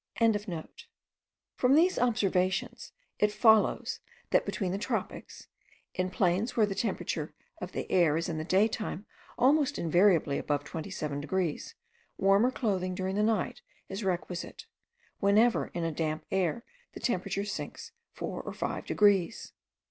From these observations it follows, that between the tropics, in plains where the temperature of the air is in the day time almost invariably above twenty seven degrees, warmer clothing during the night is requisite, whenever in a damp air the thermometer sinks four or five degrees.